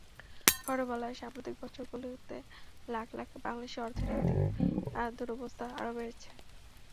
খবরে বলা হয়, সাম্প্রতিক বছরগুলোতে লাখ লাখ বাংলাদেশির অর্থনৈতিক দুরবস্থা আরও বেড়েছে।